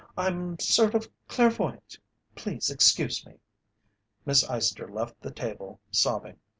I'm sort of clairvoyant! Please excuse me!" Miss Eyester left the table, sobbing.